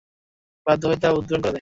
বাধ্য হয়ে তা উদগিরন করে দেয়।